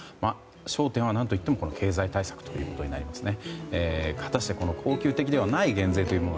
焦点は何といっても経済対策になりますね。